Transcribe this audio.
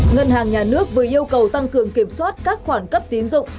ngân hàng nhà nước vừa yêu cầu tăng cường kiểm soát các khoản cấp tín dụng